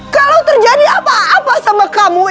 kalau terjadi apa apa sama kamu